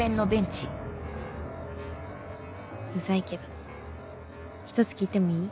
ウザいけど一つ聞いてもいい？